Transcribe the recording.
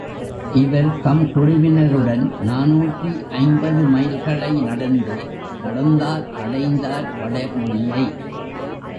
இவர் தம் குழுவினருடன் நாநூற்று ஐம்பது மைல்களை நடந்தே கடந்தார் அடைந்தார் வட முனையை.